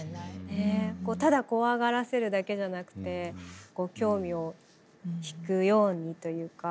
ただ怖がらせるだけじゃなくてこう興味を引くようにというか。